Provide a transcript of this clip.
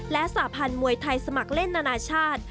และสาพันธ์มวยไทยสมัครเล่นนานาชาติ